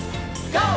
ＧＯ！